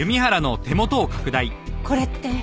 これって。